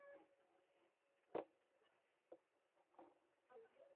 uharamia umekuwa mkubwa lakini tukikamata wezi hamna adhabu kali wanayopata Lakini hata msanii